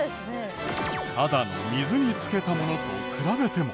ただの水に漬けたものと比べても。